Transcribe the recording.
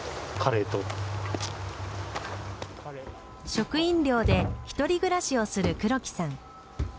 職員寮で一人暮らしをする黒木さん。